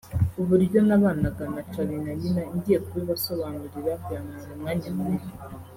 uburyo nabanaga na Charly&Nina ngiye kubibasobanurira byantwara umwanya munini